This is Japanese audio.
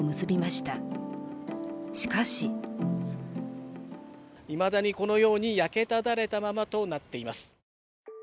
しかしいまだにこのように焼けただれたままとなっています。